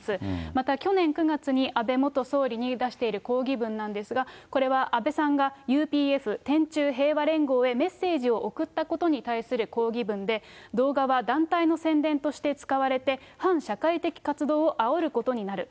また去年９月に安倍元総理に出している抗議文なんですが、これは安倍さんがＵＰＦ・天宙平和連合にメッセージを送ったことに対する抗議文で、動画は団体の宣伝として使われて、反社会的活動をあおることになる。